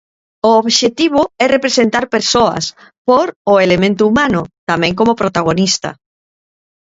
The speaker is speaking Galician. "O obxectivo é representar persoas, pór o elemento humano" tamén como protagonista.